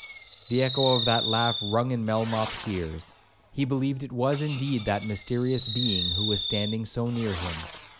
The echo of that laugh rung in Melmoth's ears; he believed it was indeed that mysterious being who was standing so near him.